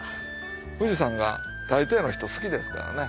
富士山が大抵の人好きですからね。